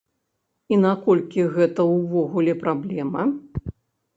І наколькі гэта ўвогуле праблема?